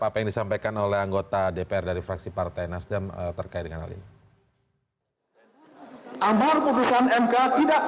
apa yang disampaikan oleh anggota dpr dari fraksi partai nasdem terkait dengan hal ini